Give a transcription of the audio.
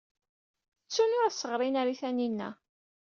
Ttun ur as-ɣrin ara i Taninna.